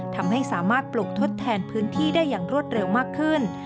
ทำให้สามารถปลูกทดแทนพื้นที่ได้อย่างรวดเร็วมากขึ้น